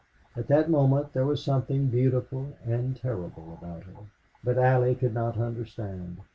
At that moment there was something beautiful and terrible about her. But Allie could not understand.